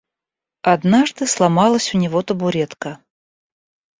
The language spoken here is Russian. Однажды сломалась у него табуретка.